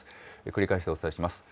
繰り返してお伝えします。